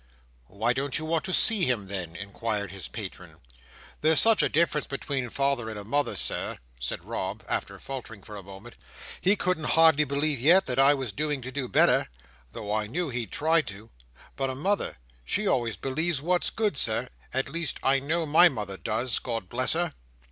"Why don't you want to see him then?" inquired his patron. "There's such a difference between a father and a mother, Sir," said Rob, after faltering for a moment. "He couldn't hardly believe yet that I was doing to do better—though I know he'd try to—but a mother—she always believes what's good, Sir; at least, I know my mother does, God bless her!"